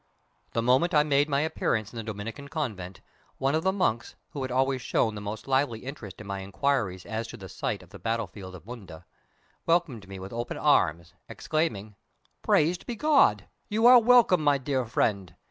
The moment I made my appearance in the Dominican convent, one of the monks, who had always shown the most lively interest in my inquiries as to the site of the battlefield of Munda, welcomed me with open arms, exclaiming: "Praised be God! You are welcome! My dear friend.